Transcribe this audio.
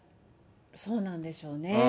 そうなんでしょうね。